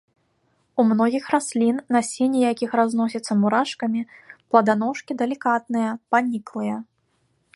У многіх раслін, насенне якіх разносіцца мурашкамі, пладаножкі далікатныя, паніклыя.